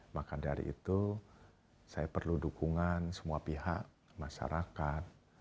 maka dari itu saya perlu dukungan semua pihak masyarakat